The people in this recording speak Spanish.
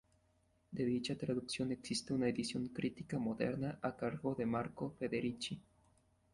De dicha traducción existe una edición crítica moderna a cargo de Marco Federici.